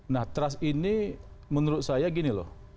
nah trust ini menurut saya gini loh